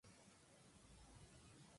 Vicente es un mafioso rodeado de custodios.